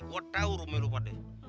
gue tau rumah lo kadeh